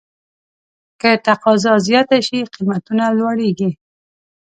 که تقاضا زیاته شي، قیمتونه لوړېږي.